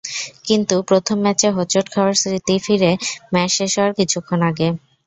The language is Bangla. কিন্তু প্রথম ম্যাচে হোঁচট খাওয়ার স্মৃতি ফিরে ম্যাচ শেষ হওয়ার কিছুক্ষণ আগে।